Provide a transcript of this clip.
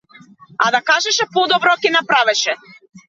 А да кажеше подобро ќе направеше.